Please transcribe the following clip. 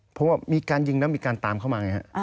เพราะว่ามีการยิงแล้วมีการตามเข้ามาไงฮะ